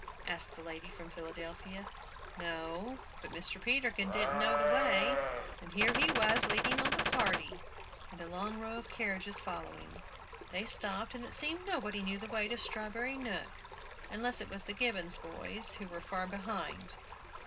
asked the lady from Philadelphia. No! But Mr. Peterkin didn't know the way; and here he was leading all the party, and a long row of carriages following. They stopped, and it seemed nobody knew the way to Strawberry Nook, unless it was the Gibbons boys, who were far behind.